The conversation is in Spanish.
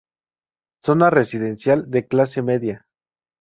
Zona residencial de clase media.